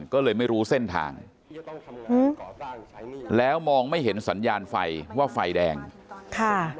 ก็เลยไม่รู้เส้นทางแล้วมองไม่เห็นสัญญาณไฟว่าไฟแดงค่ะ